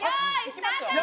スタート